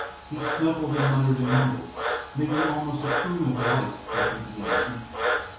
He snuffled and muttered and mumbled, making almost a croon of delight, as he began to eat.